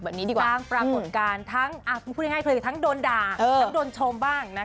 สร้างปรากฏการณ์ทั้งโดนด่าทั้งโดนชมบ้าง